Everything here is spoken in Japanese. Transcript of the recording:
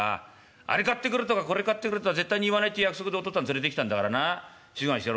あれ買ってくれとかこれ買ってくれとか絶対に言わないって約束でお父っつぁん連れてきたんだからな静かにしてろ」。